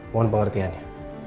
mohon pengertian ya